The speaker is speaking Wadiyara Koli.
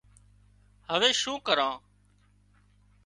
هوي شون ڪران